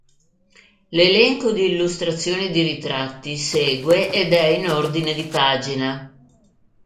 L'elenco di illustrazioni di ritratti segue ed è in ordine di pagina.